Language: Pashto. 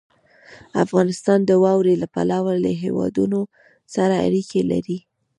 افغانستان د واورې له پلوه له هېوادونو سره اړیکې لري.